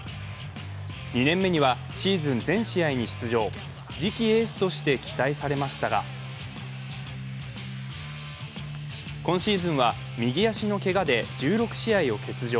２年目にはシーズン全試合に出場、次期エースとして期待されましたが今シーズンは右足のけがで１６試合を欠場